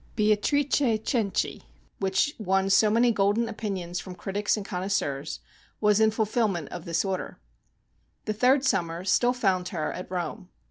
Beatrice Cenci, which won so many golden opinions from critics and connoisseurs, was in fulfilment of this order. The third summer still found her at Rome.